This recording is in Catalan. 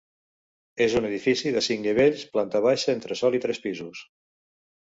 És un edifici de cinc nivells: planta baixa, entresòl i tres pisos.